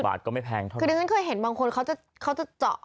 คือที่ฉันเคยเห็นบางคนเขาจะเจาะ